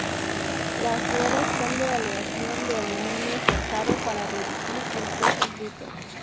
Las ruedas son de aleación de aluminio forjado, para reducir el peso bruto.